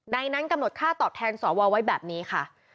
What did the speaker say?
นั้นกำหนดค่าตอบแทนสวไว้แบบนี้ค่ะ